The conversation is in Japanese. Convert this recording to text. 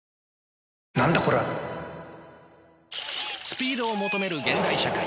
スピードを求める現代社会。